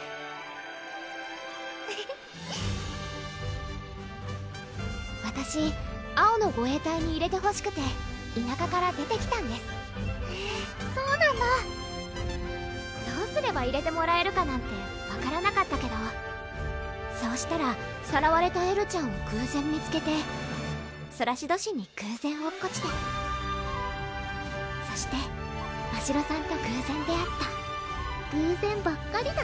エヘヘわたし青の護衛隊に入れてほしくて田舎から出てきたんですへぇそうなんだどうすれば入れてもらえるかなんて分からなかったけどそうしたらさらわれたエルちゃんを偶然見つけてソラシド市に偶然落っこちてそしてましろさんと偶然出会った偶然ばっかりだね